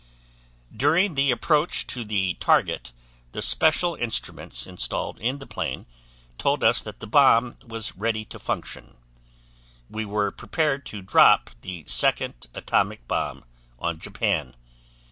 "During the approach to the target the special instruments installed in the plane told us that the bomb was ready to function. We were prepared to drop the second atomic bomb on Japan.